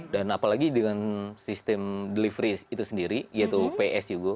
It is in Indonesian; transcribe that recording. dan apalagi dengan sistem delivery itu sendiri yaitu ps juga